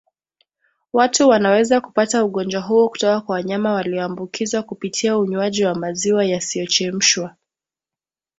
Watu wanaweza kupata ugonjwa huo kutoka kwa wanyama walioambukizwa kupitia unywaji wa maziwa yasiyochemshwa